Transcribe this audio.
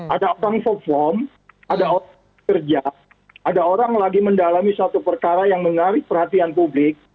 ada orang perform ada orang kerja ada orang lagi mendalami suatu perkara yang menarik perhatian publik